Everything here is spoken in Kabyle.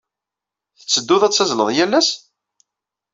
Tetteddud ad tazzled yal ass?